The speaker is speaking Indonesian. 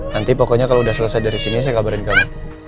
nanti pokoknya kalau udah selesai dari sini saya kabarin ke kamu